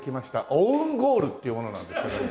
オウンゴールっていう者なんですけども。